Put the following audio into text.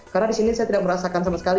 karena di sini saya tidak merasakan sama sekali